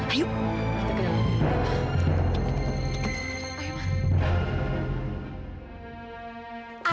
ayo kita ke dalam